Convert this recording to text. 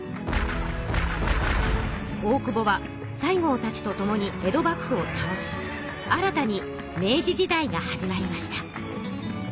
大久保は西郷たちとともに江戸幕府をたおし新たに明治時代が始まりました。